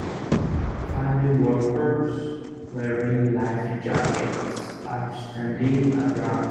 Five workers wearing life jackets are standing around.